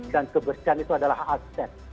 dan kebersihan itu adalah aset